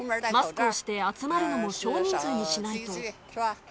マスクをして集まるのも小人数にしないと。